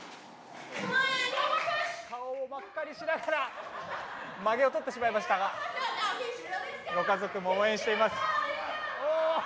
顔を真っ赤にしながらまげを取ってしまいましたがご家族も応援しています。